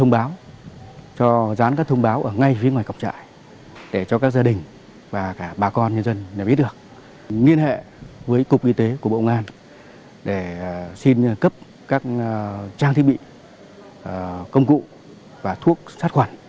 bà con nhân dân đã biết được liên hệ với cục y tế của bộ ngoan để xin cấp các trang thiết bị công cụ và thuốc sát khoản